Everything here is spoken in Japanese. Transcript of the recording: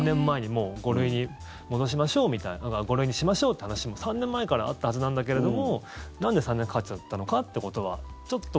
もう５類に戻しましょうみたいな５類にしましょうって話も３年前からあったはずなんだけれどもなんで３年かかっちゃったのかってことはちょっと。